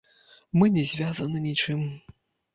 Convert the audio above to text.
Мы не звязаны нічым.